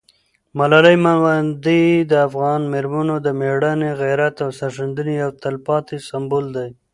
ملالۍ میوندۍ د افغان مېرمنو د مېړانې، غیرت او سرښندنې یو تلپاتې سمبول ده.